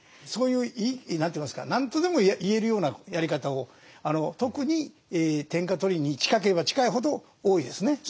そういう何と言いますか何とでも言えるようなやり方を特に天下取りに近ければ近いほど多いですね